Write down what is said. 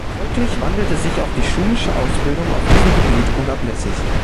Folglich wandelt sich auch die schulische Ausbildung auf diesem Gebiet unablässig.